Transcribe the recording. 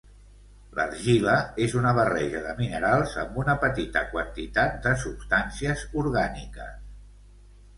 L'argila és una barreja de minerals amb una petita quantitat de substàncies orgàniques.